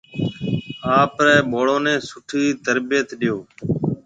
آپرَي ٻاݪون نَي سوٺِي ترتِيب ڏيو۔